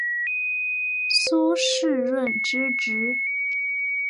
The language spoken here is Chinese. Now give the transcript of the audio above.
苏士润之侄。